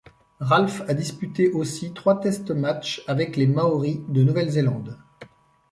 Ralph a disputé aussi trois test matchs avec les Māori de Nouvelle-Zélande.